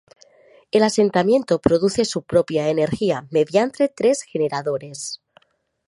El asentamiento produce su propia energía, mediante tres generadores.